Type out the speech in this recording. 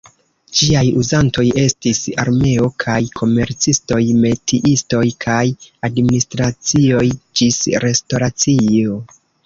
Ĝiaj uzantoj estis armeo kaj komercistoj, metiistoj kaj administracioj ĝis restoracio.